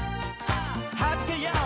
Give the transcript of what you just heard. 「はじけよう！